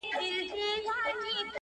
o تا راته نه ويل د کار راته خبري کوه .